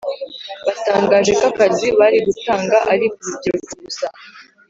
batangaje ko akazi bari gutanga ari kurubyiruko gusa